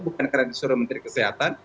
bukan karena disuruh menteri kesehatan